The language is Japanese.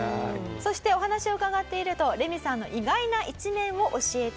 そしてお話を伺っているとレミさんの意外な一面を教えていただきました。